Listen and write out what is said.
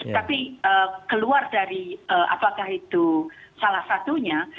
tapi keluar dari apakah itu salah satunya